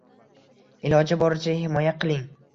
Iloji boricha himoya qiling